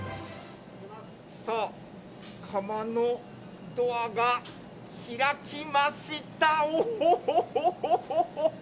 さあ、窯のドアが開きました。